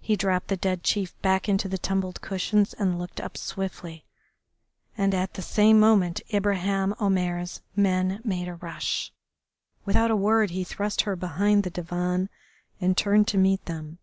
He dropped the dead chief back into the tumbled cushions and looked up swiftly, and at the same moment Ibraheim Omair's men made a rush. Without a word he thrust her behind the divan and turned to meet them.